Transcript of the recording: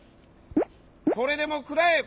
これでもくらえ！